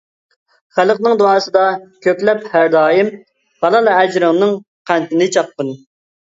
خەلقىڭ دۇئاسىدا كۆكلەپ ھەر دائىم، ھالال ئەجرىڭنىڭ قەنتىنى چاققىن.